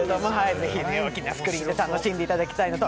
ぜひ、大きなスクリーンで楽しんでいただきたいなと。